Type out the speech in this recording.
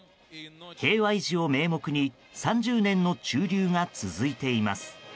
平和維持を名目に３０年の駐留が続いています。